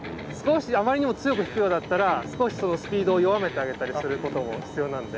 あまりにも強くひくようだったら少しスピードを弱めてあげたりすることも必要なんで。